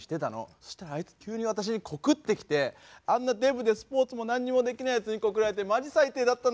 そしたらあいつ急に私に告ってきてあんなデブでスポーツも何にもできないやつに告られてマジ最低だったんだけど。